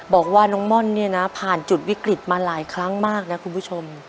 บอกว่าน้องม่อนเนี่ยนะผ่านจุดวิกฤตมาหลายครั้งมากนะคุณผู้ชม